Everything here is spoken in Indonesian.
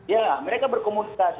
ya mereka berkomunikasi